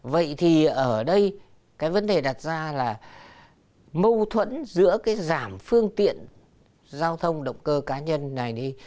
vậy thì ở đây cái vấn đề đặt ra là mâu thuẫn giữa cái giảm phương tiện giao thông động cơ cá nhân này đi